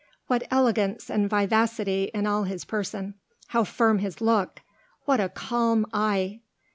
what elegance and vivacity in all his person! how firm his look! what a calm eye!"